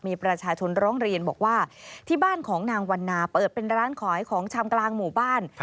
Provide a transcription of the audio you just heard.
มีประชาชนร้องเรียนบอกว่าที่บ้านของนางวันนาเปิดเป็นร้านขายของชำกลางหมู่บ้าน